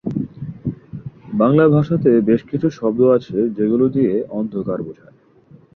বাংলা ভাষাতে বেশ কিছু শব্দ আছে যেগুলো দিয়ে অন্ধকার বোঝায়।